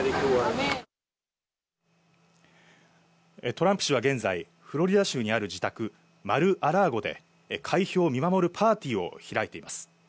トランプ氏は現在、フロリダ州にある自宅、マル・ア・ラーゴで開票を見守るパーティーを開いています。